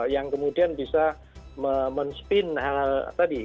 yang kemudian bisa men spin hal hal tadi